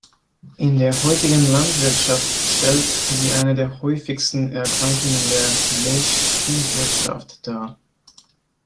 In der heutigen Landwirtschaft stellt sie eine der häufigsten Erkrankungen der Milchviehwirtschaft dar.